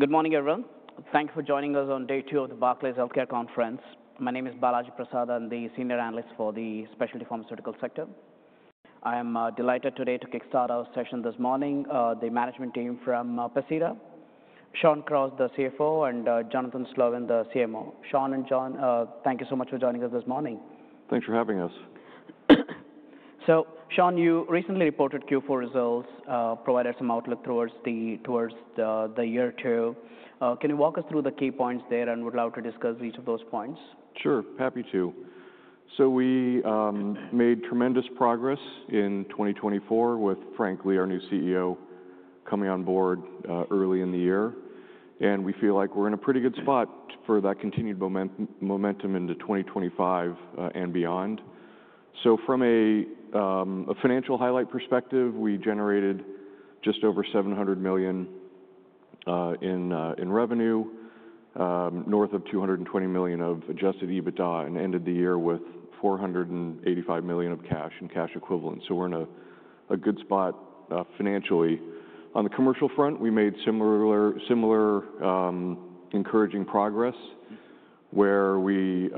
Good morning, everyone. Thank you for joining us on day two of the Barclays Healthcare Conference. My name is Balaji Prasad. I'm the Senior Analyst for the Specialty Pharmaceutical sector. I am delighted today to kickstart our session this morning. The management team from Pacira, Shawn Cross, the CFO, and Jonathan Slonin, the CMO. Shawn and John, thank you so much for joining us this morning. Thanks for having us. Shawn, you recently reported Q4 results, provided some outlook towards the year too. Can you walk us through the key points there and would love to discuss each of those points? Sure, happy to. We made tremendous progress in 2024 with Frank Lee, our new CEO, coming on board early in the year. We feel like we're in a pretty good spot for that continued momentum into 2025 and beyond. From a financial highlight perspective, we generated just over $700 million in revenue, north of $220 million of adjusted EBITDA, and ended the year with $485 million of cash and cash equivalents. We're in a good spot financially. On the commercial front, we made similar encouraging progress where we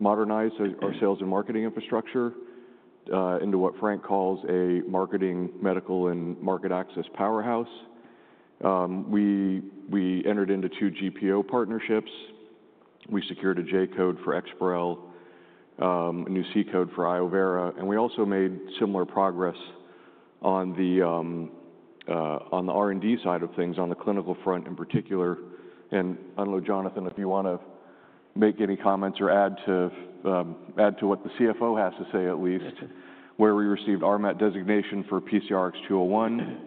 modernized our sales and marketing infrastructure into what Frank calls a marketing, medical, and market access powerhouse. We entered into two GPO partnerships. We secured a J code for Exparel, a new C code for Iovera. We also made similar progress on the R&D side of things on the clinical front in particular. I do not know, Jonathan, if you want to make any comments or add to what the CFO has to say, at least, where we received RMAT designation for PCRX-201,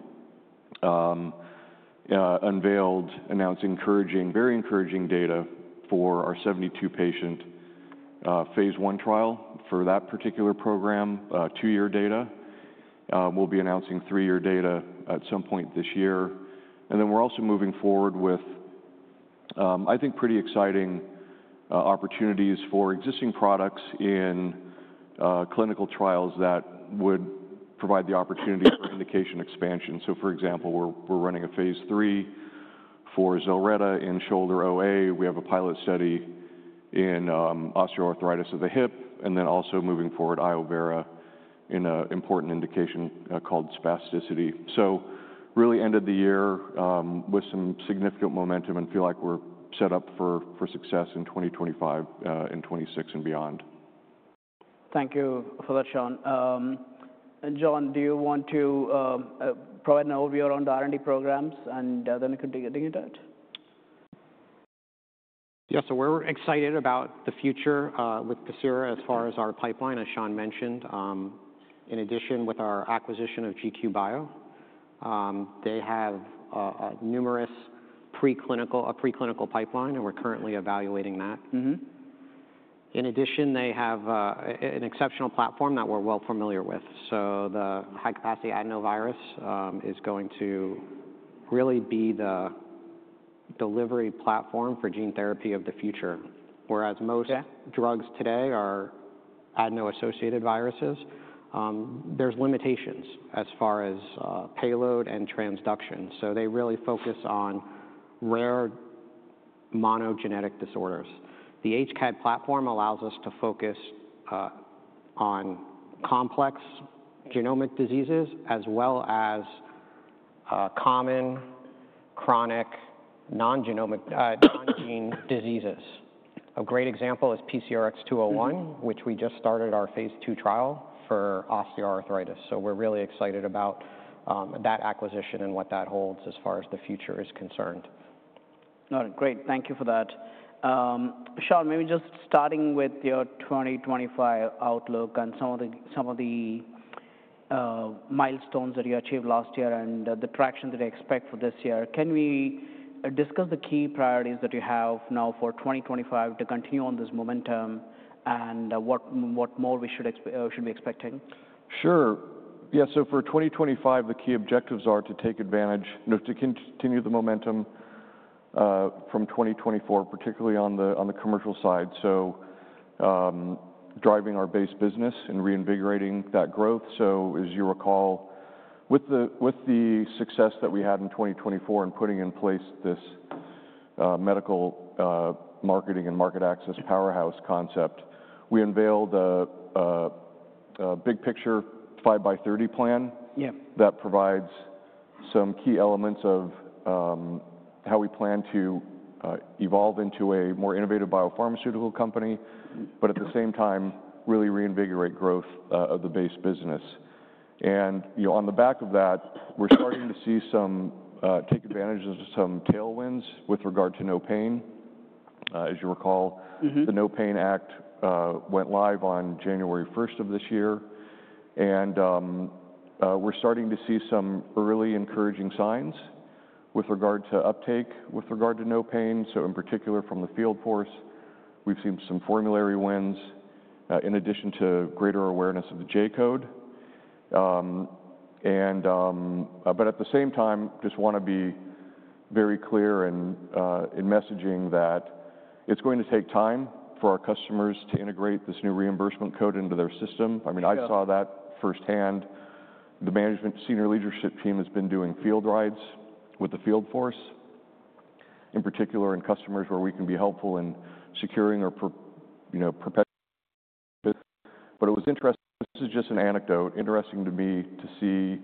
unveiled, announced very encouraging data for our 72-patient Phase I trial for that particular program, two-year data. We will be announcing three-year data at some point this year. We are also moving forward with, I think, pretty exciting opportunities for existing products in clinical trials that would provide the opportunity for indication expansion. For example, we are running a Phase III for Zilretta in shoulder OA. We have a pilot study in osteoarthritis of the hip, and also moving forward, Iovera in an important indication called spasticity. We really end the year with some significant momentum and feel like we are set up for success in 2025, in 2026, and beyond. Thank you for that, Shawn. John, do you want to provide an overview around R&D programs and then we can dig into it? Yeah, so we're excited about the future with Pacira as far as our pipeline, as Shawn mentioned. In addition, with our acquisition of GQ Bio, they have a pre-clinical pipeline, and we're currently evaluating that. In addition, they have an exceptional platform that we're well familiar with. The high-capacity adenovirus is going to really be the delivery platform for gene therapy of the future. Whereas most drugs today are adeno-associated viruses, there's limitations as far as payload and transduction. They really focus on rare monogenetic disorders. The HCAd platform allows us to focus on complex genomic diseases as well as common, chronic, non-gene diseases. A great example is PCRX-201, which we just started our Phase II trial for osteoarthritis. We're really excited about that acquisition and what that holds as far as the future is concerned. All right, great. Thank you for that. Shawn, maybe just starting with your 2025 outlook and some of the milestones that you achieved last year and the traction that you expect for this year, can we discuss the key priorities that you have now for 2025 to continue on this momentum and what more we should be expecting? Sure. Yeah, for 2025, the key objectives are to take advantage, to continue the momentum from 2024, particularly on the commercial side. Driving our base business and reinvigorating that growth. As you recall, with the success that we had in 2024 and putting in place this medical marketing and market access powerhouse concept, we unveiled a big picture 5x30 plan that provides some key elements of how we plan to evolve into a more innovative biopharmaceutical company, but at the same time, really reinvigorate growth of the base business. On the back of that, we're starting to see some take advantage of some tailwinds with regard to No Pain. As you recall, the NOPAIN Act went live on January 1 of this year. We're starting to see some early encouraging signs with regard to uptake with regard to no pain. In particular, from the field force, we've seen some formulary wins in addition to greater awareness of the J code. At the same time, I just want to be very clear in messaging that it's going to take time for our customers to integrate this new reimbursement code into their system. I mean, I saw that firsthand. The management senior leadership team has been doing field rides with the field force, in particular in customers where we can be helpful in securing or perpetuating business. It was interesting, this is just an anecdote, interesting to me to see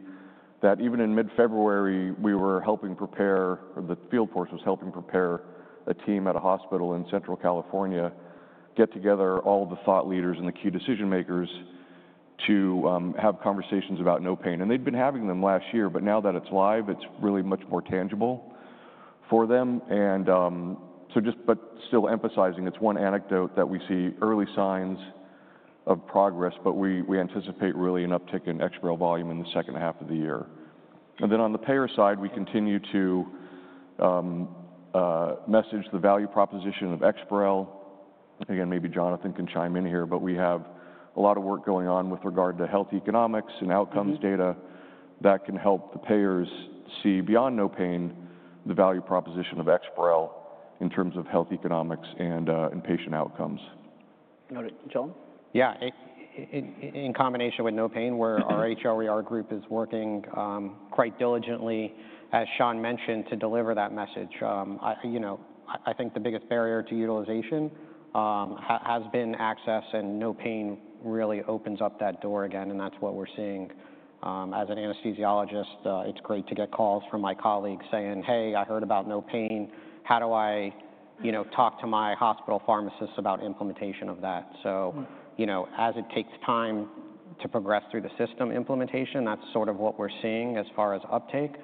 that even in mid-February, we were helping prepare, or the field force was helping prepare a team at a hospital in Central California, get together all of the thought leaders and the key decision makers to have conversations about No Pain. They had been having them last year, but now that it is live, it is really much more tangible for them. Just still emphasizing, it is one anecdote that we see early signs of progress, but we anticipate really an uptick in Exparel volume in the second half of the year. On the payer side, we continue to message the value proposition of Exparel. Again, maybe Jonathan can chime in here, but we have a lot of work going on with regard to health economics and outcomes data that can help the payers see beyond NOPAINthe value proposition of Exparel in terms of health economics and inpatient outcomes. Got it. John? Yeah, in combination with No Pain, where our HEOR group is working quite diligently, as Shawn mentioned, to deliver that message. I think the biggest barrier to utilization has been access, and NOPAIN really opens up that door again. That is what we are seeing. As an anesthesiologist, it is great to get calls from my colleagues saying, "Hey, I heard about No Pain. How do I talk to my hospital pharmacists about implementation of that?" As it takes time to progress through the system implementation, that is sort of what we are seeing as far as uptake.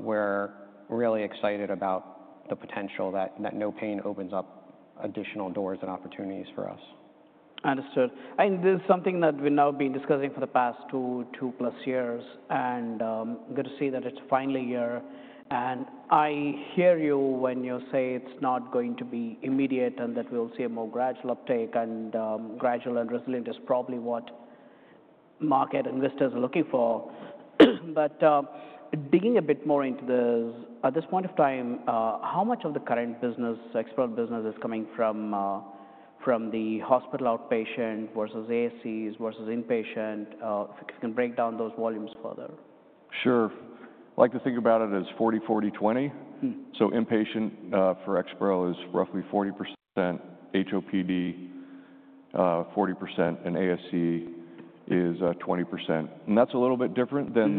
We are really excited about the potential that NOPAIN opens up additional doors and opportunities for us. Understood. This is something that we've now been discussing for the past two plus years, and I'm going to say that it's finally here. I hear you when you say it's not going to be immediate and that we'll see a more gradual uptake, and gradual and resilient is probably what market investors are looking for. Digging a bit more into this, at this point of time, how much of the current business, Exparel business, is coming from the hospital outpatient versus ASCs versus inpatient? If you can break down those volumes further. Sure. I like to think about it as 40-40-20. Inpatient for Exparel is roughly 40%, HOPD 40%, and ASC is 20%. That is a little bit different than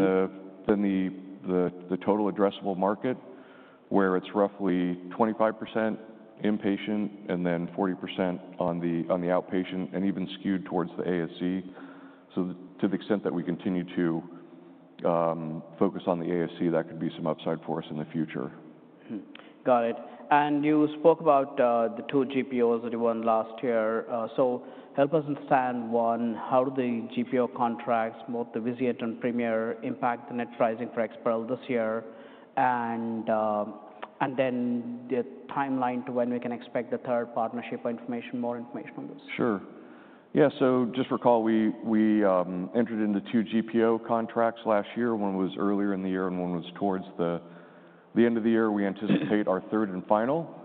the total addressable market, where it is roughly 25% inpatient and then 40% on the outpatient, and even skewed towards the ASC. To the extent that we continue to focus on the ASC, that could be some upside for us in the future. Got it. You spoke about the two GPOs that you won last year. Help us understand, one, how do the GPO contracts, both the Vizient and Premier, impact the net pricing for Exparel this year? What is the timeline to when we can expect the third partnership or more information on this? Sure. Yeah, just recall we entered into two GPO contracts last year. One was earlier in the year and one was towards the end of the year. We anticipate our third and final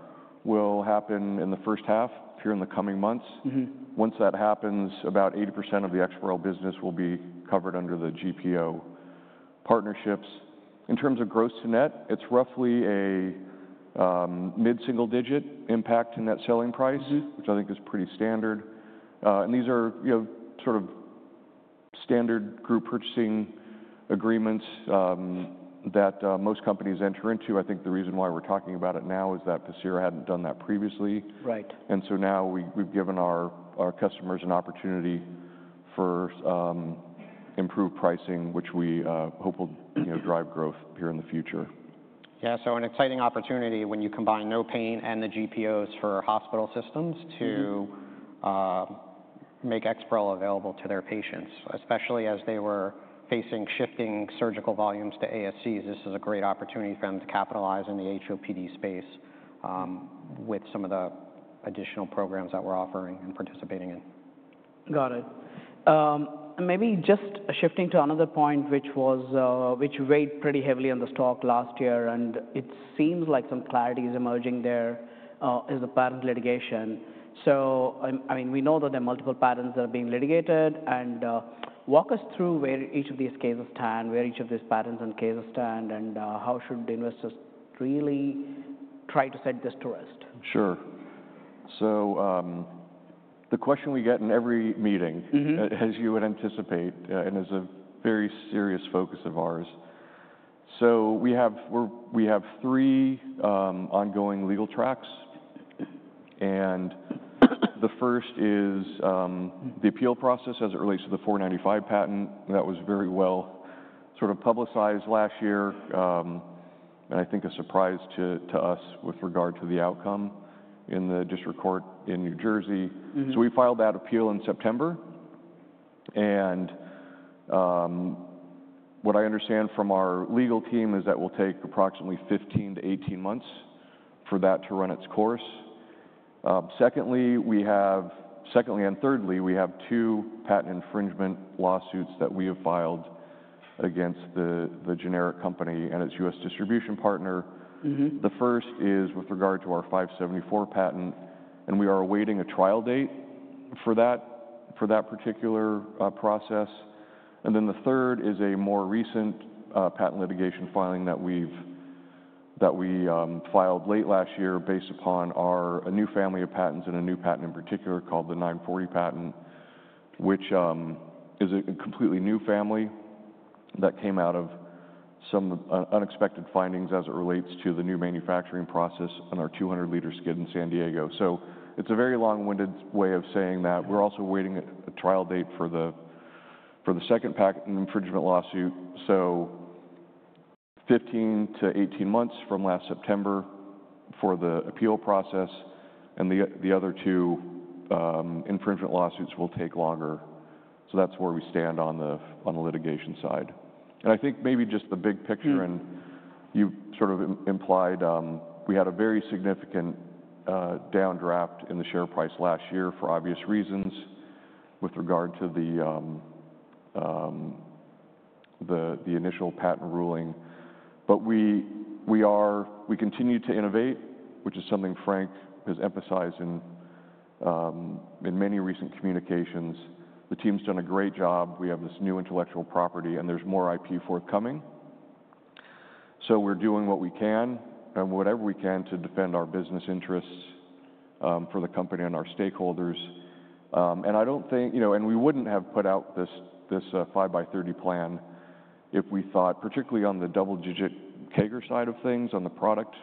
will happen in the first half here in the coming months. Once that happens, about 80% of the Exparel business will be covered under the GPO partnerships. In terms of gross to net, it's roughly a mid-single-digit impact to net selling price, which I think is pretty standard. These are sort of standard group purchasing agreements that most companies enter into. I think the reason why we're talking about it now is that Pacira hadn't done that previously. Now we've given our customers an opportunity for improved pricing, which we hope will drive growth here in the future. Yeah, so an exciting opportunity when you combine NOPAIN Act and the GPOs for hospital systems to make Exparel available to their patients, especially as they were facing shifting surgical volumes to ASCs. This is a great opportunity for them to capitalize in the HOPD space with some of the additional programs that we're offering and participating in. Got it. Maybe just shifting to another point, which weighed pretty heavily on the stock last year, and it seems like some clarity is emerging there, is the patent litigation. I mean, we know that there are multiple patents that are being litigated. Walk us through where each of these cases stand, where each of these patents and cases stand, and how should investors really try to set this to rest? Sure. The question we get in every meeting, as you would anticipate, is a very serious focus of ours. We have three ongoing legal tracks. The first is the appeal process as it relates to the 495 patent that was very well sort of publicized last year, and I think a surprise to us with regard to the outcome in the District Court in New Jersey. We filed that appeal in September. What I understand from our legal team is that will take approximately 15-18 months for that to run its course. Secondly and thirdly, we have two patent infringement lawsuits that we have filed against the generic company and its U.S. distribution partner. The first is with regard to our 574 patent, and we are awaiting a trial date for that particular process. The third is a more recent patent litigation filing that we filed late last year based upon a new family of patents and a new patent in particular called the 940 patent, which is a completely new family that came out of some unexpected findings as it relates to the new manufacturing process on our 200-liter skid in San Diego. It is a very long-winded way of saying that. We are also waiting a trial date for the second patent infringement lawsuit. Fifteen to eighteen months from last September for the appeal process. The other two infringement lawsuits will take longer. That is where we stand on the litigation side. I think maybe just the big picture, and you sort of implied, we had a very significant downdraft in the share price last year for obvious reasons with regard to the initial patent ruling. We continue to innovate, which is something Frank has emphasized in many recent communications. The team's done a great job. We have this new intellectual property, and there's more IP forthcoming. We are doing what we can and whatever we can to defend our business interests for the company and our stakeholders. I do not think, and we would not have put out this 5x30 plan if we thought, particularly on the double-digit CAGR side of things on the product,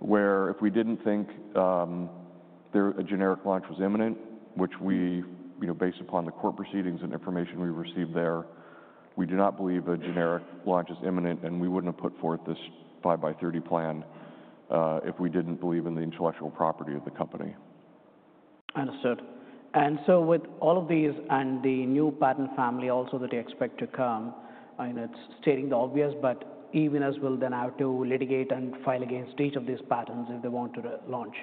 where if we did not think a generic launch was imminent, which we based upon the court proceedings and information we received there, we do not believe a generic launch is imminent, and we would not have put forth this 5x30 plan if we did not believe in the intellectual property of the company. Understood. With all of these and the new patent family also that you expect to come, I know it's stating the obvious, but even as we'll then have to litigate and file against each of these patents if they want to launch.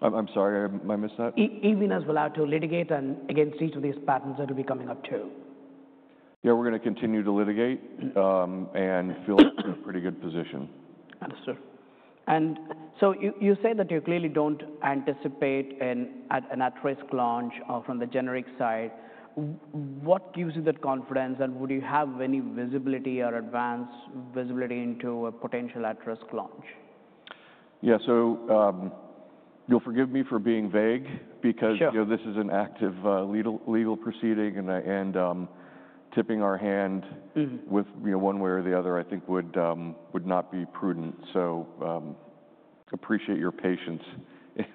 I'm sorry, I missed that. Even as we'll have to litigate against each of these patents that will be coming up too. Yeah, we're going to continue to litigate and feel in a pretty good position. Understood. You say that you clearly don't anticipate an at-risk launch from the generic side. What gives you that confidence, and would you have any visibility or advanced visibility into a potential at-risk launch? Yeah, you'll forgive me for being vague because this is an active legal proceeding, and tipping our hand with one way or the other, I think would not be prudent. I appreciate your patience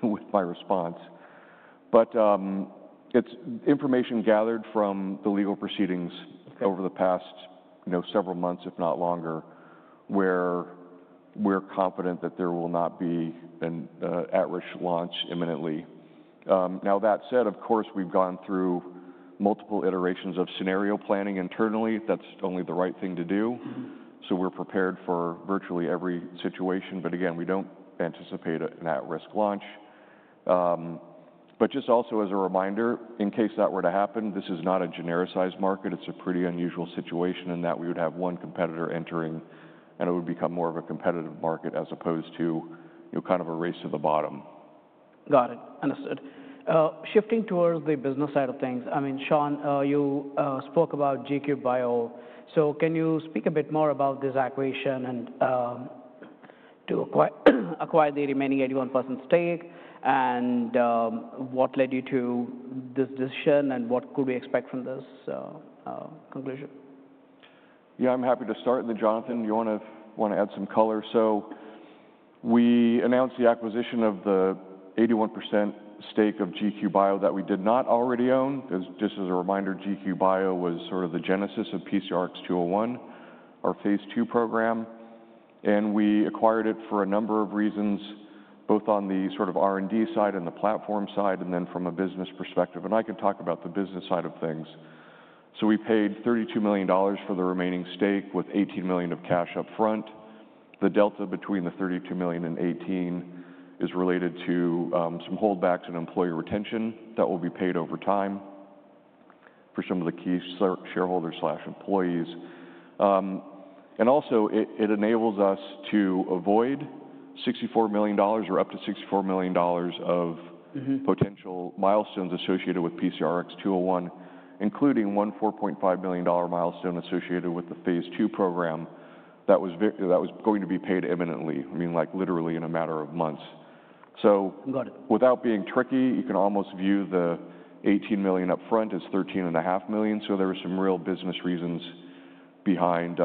with my response. It's information gathered from the legal proceedings over the past several months, if not longer, where we're confident that there will not be an at-risk launch imminently. That said, of course, we've gone through multiple iterations of scenario planning internally. That's only the right thing to do. We're prepared for virtually every situation. Again, we don't anticipate an at-risk launch. Just also as a reminder, in case that were to happen, this is not a genericized market. It's a pretty unusual situation in that we would have one competitor entering, and it would become more of a competitive market as opposed to kind of a race to the bottom. Got it. Understood. Shifting towards the business side of things, I mean, Shawn, you spoke about GQ Bio. Can you speak a bit more about this acquisition and to acquire the remaining 81% stake? What led you to this decision, and what could we expect from this conclusion? Yeah, I'm happy to start. Jonathan, you want to add some color. We announced the acquisition of the 81% stake of GQ Bio that we did not already own. Just as a reminder, GQ Bio was sort of the genesis of PCRX-201, our Phase II program. We acquired it for a number of reasons, both on the R&D side and the platform side, and from a business perspective. I can talk about the business side of things. We paid $32 million for the remaining stake with $18 million of cash upfront. The delta between the $32 million and $18 million is related to some holdbacks and employee retention that will be paid over time for some of the key shareholders/employees. It also enables us to avoid $64 million or up to $64 million of potential milestones associated with PCRX-201, including one $4.5 million milestone associated with the Phase II program that was going to be paid imminently, I mean, like literally in a matter of months. Without being tricky, you can almost view the $18 million upfront as $13.5 million. There were some real business reasons behind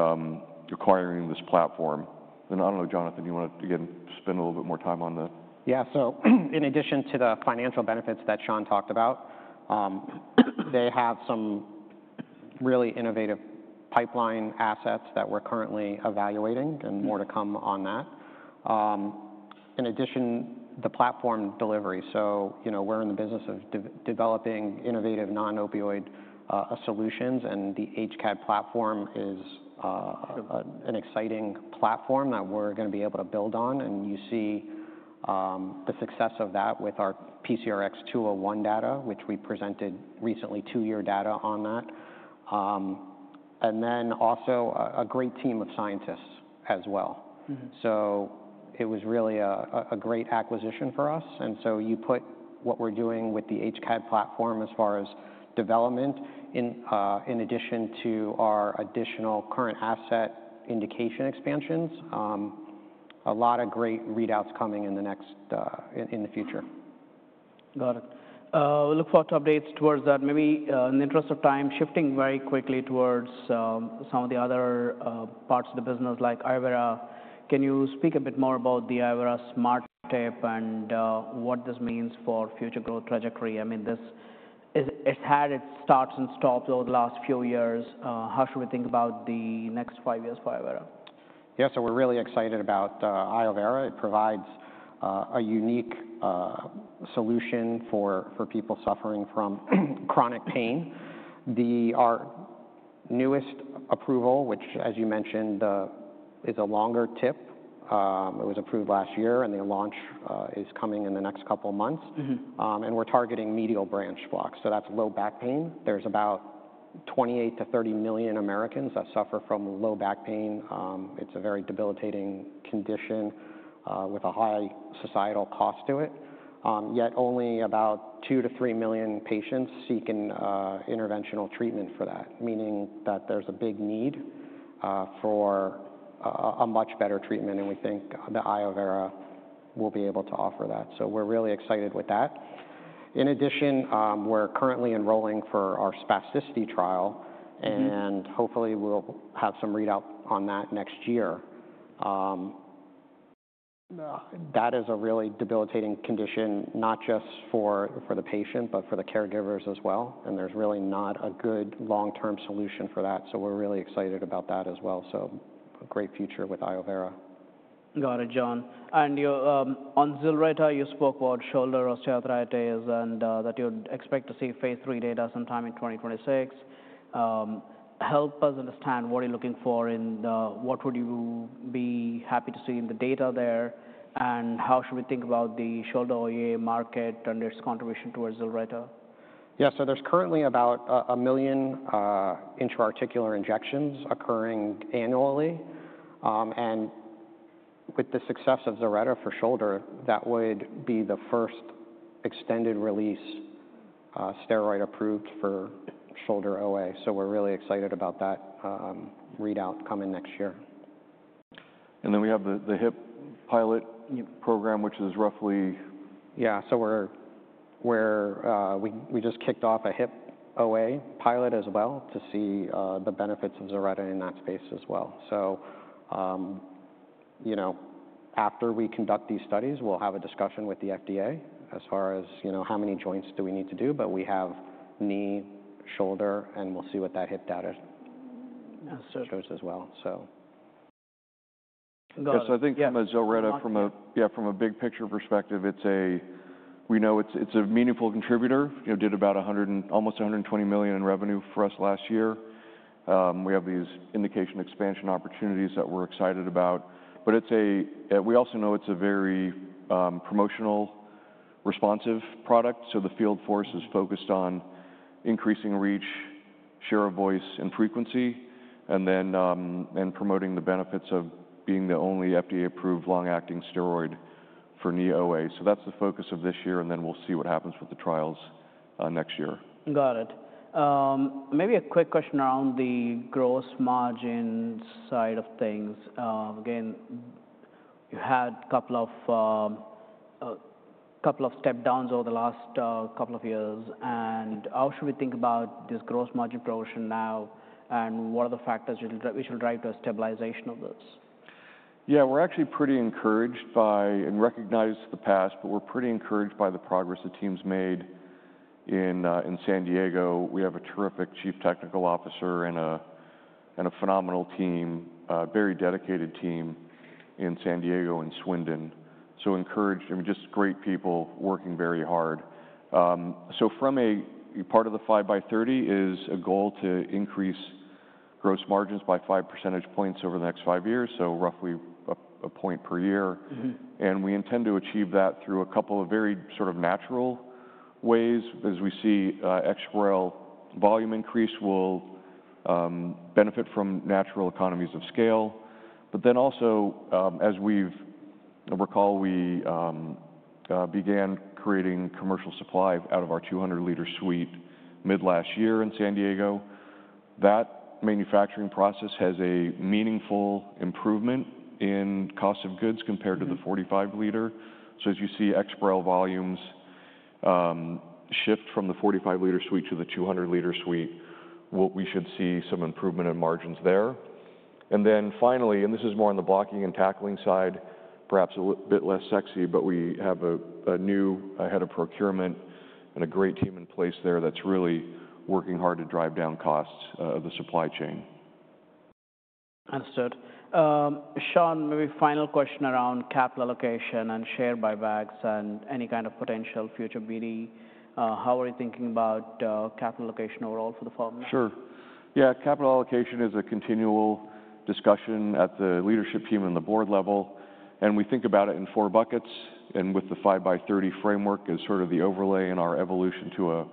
acquiring this platform. I do not know, Jonathan, you want to again spend a little bit more time on the. Yeah, so in addition to the financial benefits that Shawn talked about, they have some really innovative pipeline assets that we're currently evaluating and more to come on that. In addition, the platform delivery. We're in the business of developing innovative non-opioid solutions, and the HCAd platform is an exciting platform that we're going to be able to build on. You see the success of that with our PCRX-201 data, which we presented recently, two-year data on that. Also, a great team of scientists as well. It was really a great acquisition for us. You put what we're doing with the HCAd platform as far as development, in addition to our additional current asset indication expansions, a lot of great readouts coming in the future. Got it. We look forward to updates towards that. Maybe in the interest of time, shifting very quickly towards some of the other parts of the business, like Iovera. Can you speak a bit more about the Iovera smart tip and what this means for future growth trajectory? I mean, it's had its starts and stops over the last few years. How should we think about the next five years for Iovera? Yeah, so we're really excited about Iovera. It provides a unique solution for people suffering from chronic pain. The newest approval, which, as you mentioned, is a longer tip, it was approved last year, and the launch is coming in the next couple of months. We're targeting medial branch blocks. That's low back pain. There are about 28-30 million Americans that suffer from low back pain. It's a very debilitating condition with a high societal cost to it. Yet only about 2-3 million patients seek interventional treatment for that, meaning that there's a big need for a much better treatment. We think that Iovera will be able to offer that. We're really excited with that. In addition, we're currently enrolling for our spasticity trial, and hopefully we'll have some readout on that next year. That is a really debilitating condition, not just for the patient, but for the caregivers as well. There is really not a good long-term solution for that. We are really excited about that as well. A great future with Iovera. Got it, John. On Zilretta, you spoke about shoulder osteoarthritis and that you would expect to see Phase III data sometime in 2026. Help us understand what you're looking for and what would you be happy to see in the data there. How should we think about the shoulder OA market and its contribution towards Zilretta? Yeah, so there's currently about a million intra-articular injections occurring annually. With the success of Zilretta for shoulder, that would be the first extended-release steroid approved for shoulder OA. We're really excited about that readout coming next year. We have the hip pilot program, which is roughly. Yeah, we just kicked off a hip OA pilot as well to see the benefits of Zilretta in that space as well. After we conduct these studies, we'll have a discussion with the FDA as far as how many joints do we need to do. We have knee, shoulder, and we'll see what that hip data shows as well. Yes, I think from a Zilretta, from a big picture perspective, we know it's a meaningful contributor. It did about almost $120 million in revenue for us last year. We have these indication expansion opportunities that we're excited about. We also know it's a very promotional, responsive product. The field force is focused on increasing reach, share of voice, and frequency, and promoting the benefits of being the only FDA-approved long-acting steroid for knee OA. That's the focus of this year, and we'll see what happens with the trials next year. Got it. Maybe a quick question around the gross margin side of things. Again, you had a couple of step-downs over the last couple of years. How should we think about this gross margin proportion now, and what are the factors which will drive to a stabilization of this? Yeah, we're actually pretty encouraged by, and recognize the past, but we're pretty encouraged by the progress the team's made in San Diego. We have a terrific Chief Technical Officer and a phenomenal team, a very dedicated team in San Diego and Swindon. Encouraged, I mean, just great people working very hard. From a part of the 5x30 is a goal to increase gross margins by five percentage points over the next five years, so roughly a point per year. We intend to achieve that through a couple of very sort of natural ways. As we see Exparel volume increase, we'll benefit from natural economies of scale. Also, as we recall, we began creating commercial supply out of our 200-liter suite mid-last year in San Diego. That manufacturing process has a meaningful improvement in cost of goods compared to the 45-liter. As you see Exparel volumes shift from the 45-liter suite to the 200-liter suite, we should see some improvement in margins there. Finally, and this is more on the blocking and tackling side, perhaps a bit less sexy, but we have a new head of procurement and a great team in place there that's really working hard to drive down costs of the supply chain. Understood. Shawn, maybe final question around capital allocation and share buybacks and any kind of potential future BD. How are you thinking about capital allocation overall for the firm? Sure. Yeah, capital allocation is a continual discussion at the leadership team and the board level. We think about it in four buckets, with the 5x30 framework as sort of the overlay in our evolution to a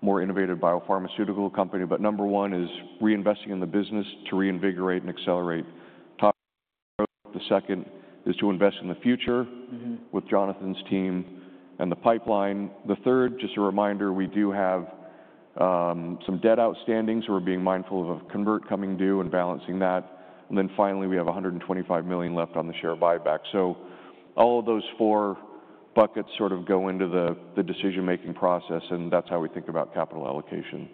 more innovative biopharmaceutical company. Number one is reinvesting in the business to reinvigorate and accelerate top growth. The second is to invest in the future with Jonathan's team and the pipeline. The third, just a reminder, we do have some debt outstanding, so we're being mindful of a convert coming due and balancing that. Finally, we have $125 million left on the share buyback. All of those four buckets sort of go into the decision-making process, and that's how we think about capital allocation.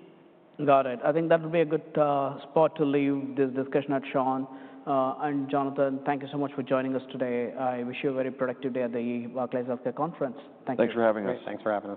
Got it. I think that would be a good spot to leave this discussion at, Shawn. And Jonathan, thank you so much for joining us today. I wish you a very productive day at the Barclays Healthcare Conference. Thank you. Thanks for having us. Thanks for having us.